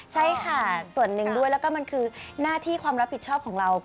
ใช่ค่ะส่วนหนึ่งด้วยแล้วก็มันคือหน้าที่ความรับผิดชอบของเรา